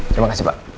terima kasih pak